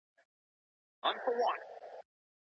کتاب لوستل د ذهن غوره تمرین دی.